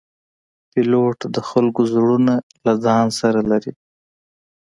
پیلوټ د خلکو زړونه له ځان سره لري.